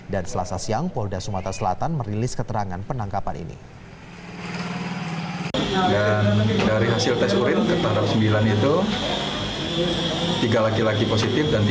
dan selasa siang polda sumatera selatan merilis keterangan penelitian